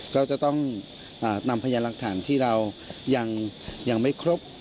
ก็จะต้องนำพยานหลักฐานที่เรายังไม่ครบ